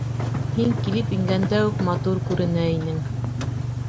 Һин килеп ингәндә үк матур күренә инең.